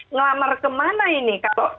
ngelamar kemana ini kalau